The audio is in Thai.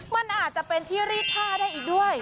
มันอาจจะเป็นที่รีดผ้าได้อีกด้วย